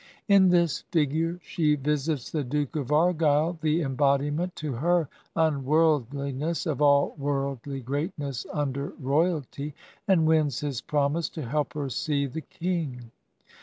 In this figure she visits the Duke of Argyle, the embodi ment to her unworldliness of all worldly greatness un der royalty, and wins his promise to help her see the King.